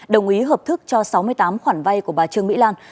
đồng ý hợp thức cho sáu mươi tám khoản vay của bà trương mỹ lan